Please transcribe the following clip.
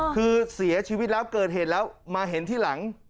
คือเสียชีวิตแล้วเกิดเหตุแล้วมาเห็นที่หลัง